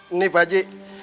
ini pak ji